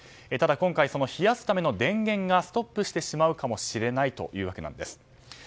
ただ今回、冷やすための電源がストップしてしまうかもしれないというわけなんです。